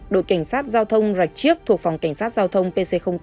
đội cảnh sát giao thông rạch chiếc thuộc phòng cảnh sát giao thông pc tám